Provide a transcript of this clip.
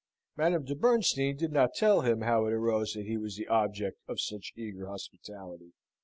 Madame de Bernstein did not tell him how it arose that he was the object of such eager hospitality.